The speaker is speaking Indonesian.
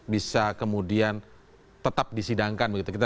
bisa kemudian tetap disidangkan